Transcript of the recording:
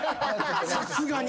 さすがに。